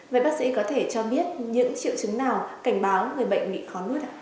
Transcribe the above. vậy bác sĩ có thể cho biết những triệu chứng nào cảnh báo người bệnh bị khó nuốt ạ